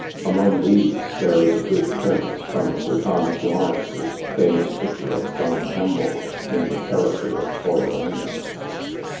Among these, there is a good print from Sir Thomas Lawrence's famous picture of John Kemble, in the character of Coriolanus.